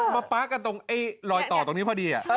มาป๊ากกันตรงรอยต่อตรงนี้พอดี